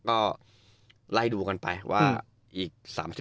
เอ้าไล่ดูกันไปว่าอีก๓๘